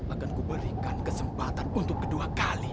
akanku berikan kesempatan untuk kedua kali